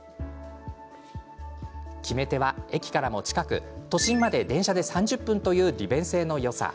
決め手は駅からも近く都心まで電車で３０分という利便性のよさ。